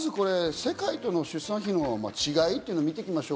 世界との出産費用の違いをまず見ていきましょう。